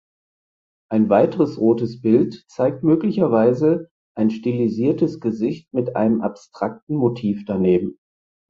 Ein weiteres rotes Bild zeigt möglicherweise ein stilisiertes Gesicht mit einem abstrakten Motiv daneben.